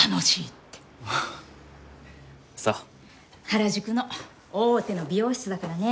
原宿の大手の美容室だからね。